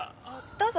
どうぞ。